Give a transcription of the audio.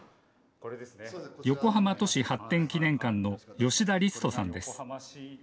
横浜都市発展記念館の吉田律人さんです。